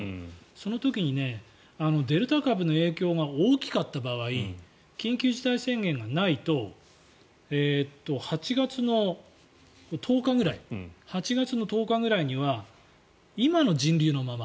その時にデルタ株の影響が大きかった場合緊急事態宣言がないと８月の１０日ぐらいには今の人流のまま。